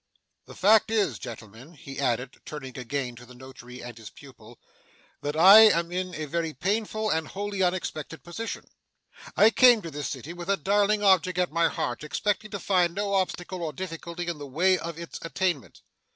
The fact is, gentlemen,' he added, turning again to the Notary and his pupil, 'that I am in a very painful and wholly unexpected position. I came to this city with a darling object at my heart, expecting to find no obstacle or difficulty in the way of its attainment.